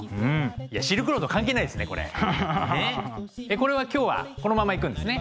これは今日はこのままいくんですね？